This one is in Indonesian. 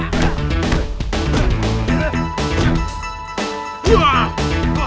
jangan bawa bawa duit gua